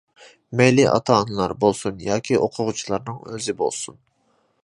مەيلى ئاتا-ئانىلار بولسۇن ياكى ئوقۇغۇچىلارنىڭ ئۆزى بولسۇن.